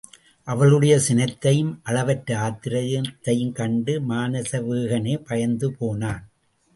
அவளுடைய சினத்தையும் அளவற்ற ஆத்திரத்தையும் கண்டு மானசவேகனே பயந்து போனான்.